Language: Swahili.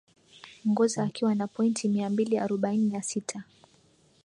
ngoza akiwa na pointi mia mbili arobaini na sita